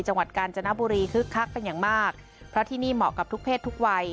จังหวัดกาญจนบุรีคึกคักเป็นอย่างมากเพราะที่นี่เหมาะกับทุกเพศทุกวัย